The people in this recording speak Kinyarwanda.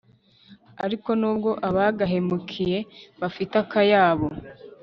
ariko nubwo abagahemukiye bafite akayabo